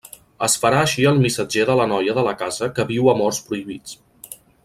Es farà així el missatger de la noia de la casa que viu amors prohibits.